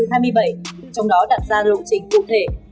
trong đó đặt ra lộ trình cụ thể